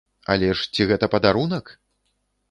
Але ж ці гэта падарунак?!